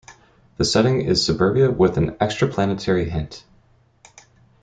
The setting is suburbia with an extra-planetary hint.